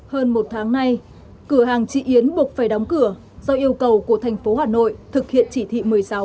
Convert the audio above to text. hơn một tháng nay cửa hàng trị yến buộc phải đóng cửa do yêu cầu của thành phố hà nội thực hiện chỉ thị một mươi sáu